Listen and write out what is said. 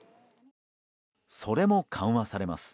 それも緩和されます。